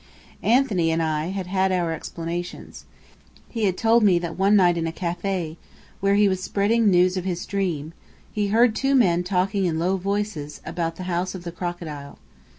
Anthony and I had had our explanations. He had told me that one night in a café, where he was spreading the news of his dream, he had heard two men talking in low voices about the House of the Crocodile.